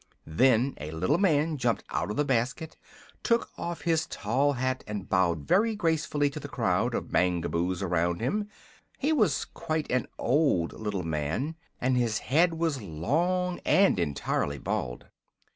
Then a little man jumped out of the basket, took off his tall hat, and bowed very gracefully to the crowd of Mangaboos around him. He was quite an old little man, and his head was long and entirely bald.